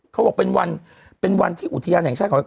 เขาบอกเป็นวันเป็นวันที่อุทยานแห่งชาติเขา